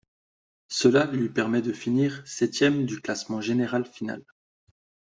Cela lui permet de finir septième du classement général final.